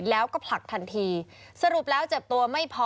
แล้วก็ผลักทันทีสรุปแล้วเจ็บตัวไม่พอ